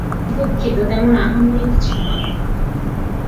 দুঃখিত, তেমন আহামরি কিছু নয়।